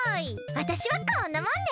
わたしはこんなもんね。